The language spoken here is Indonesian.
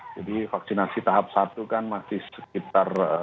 jadi vaksinasi tahap satu kan masih sekitar